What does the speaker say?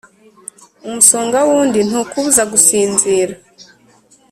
Umusonga wundi ntukubuza gusinzira.